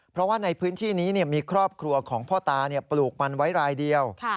เพราะว่าในพื้นที่นี้มีครอบครัวของพ่อตาปลูกมันไว้รายเดียว